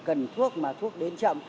cần thuốc mà thuốc đến chậm